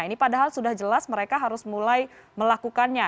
ini padahal sudah jelas mereka harus mulai melakukannya